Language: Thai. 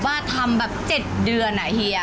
เคยทำแบบ๗เดือน